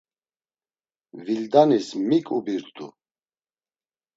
Vildanis mik ubirt̆u?